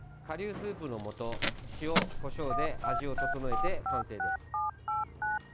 かりゅうスープのもと塩・こしょうで味を調えて完成です。